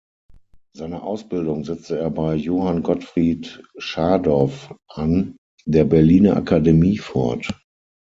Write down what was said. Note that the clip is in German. Seine Ausbildung setzte er bei Johann Gottfried Schadow an der Berliner Akademie fort.